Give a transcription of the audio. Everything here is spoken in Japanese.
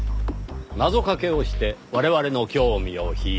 謎掛けをして我々の興味を引いた。